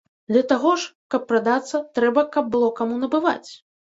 Для таго ж, каб прадацца, трэба, каб было каму набываць.